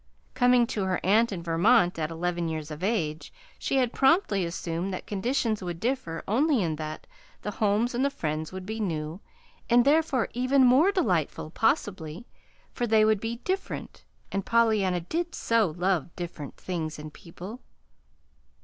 Coming to her aunt in Vermont at eleven years of age, she had promptly assumed that conditions would differ only in that the homes and the friends would be new, and therefore even more delightful, possibly, for they would be "different" and Pollyanna did so love "different" things and people!